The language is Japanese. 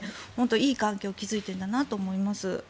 いい関係を築いているんだなと思います。